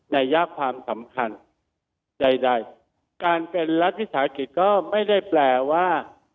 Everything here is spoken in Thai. ยากความสำคัญใดใดการเป็นรัฐวิสาหกิจก็ไม่ได้แปลว่า